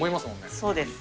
そうです。